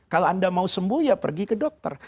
kalau anda mau sembuh ya pergi ke dokter